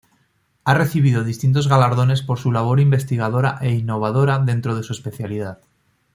Ha recibido distintos galardones por su labor investigadora e innovadora dentro de su especialidad.